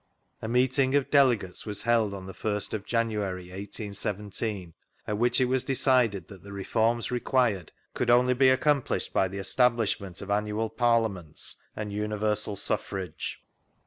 A meet ing of delegates was held on the first of January, 1817, at which it was decided that the reforms required could only be accomplished by the estab . lishment of fmnual parliaments and universal suffrage.